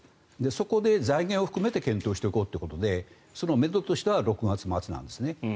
そこで財源を含めて検討していこうということでそのめどとしては６月末なんですね。